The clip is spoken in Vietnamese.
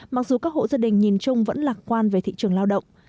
mặc dù các hộ gia đình nhìn chung vẫn lạc quan về thị trường lao động